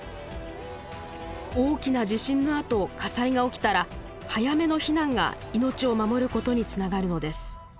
大きな地震のあと火災が起きたら早めの避難が命を守ることにつながるのです。